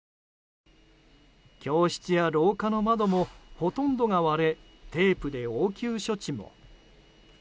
教室や廊下の窓もほとんどが割れテープで応急処置も。